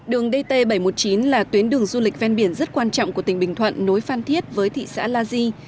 đường dt bảy trăm một mươi chín là tuyến đường du lịch ven biển rất quan trọng của tỉnh bình thuận nối phan thiết với thị xã la di